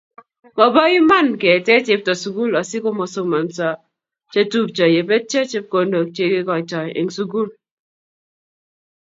Mobo iman keete chepto sukul asikosomonso chetupcho yebetyo chepkondok chekekoitoi eng sukul